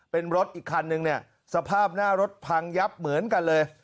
เป็นรถอีกคันนึงเนี่ยสภาพหน้ารถพังยับเหมือนกันเลย